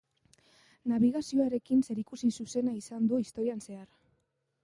Nabigazioarekin zerikusi zuzena izan du historian zehar.